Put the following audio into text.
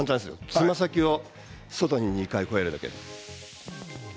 つま先を外に２回こうやるだけ。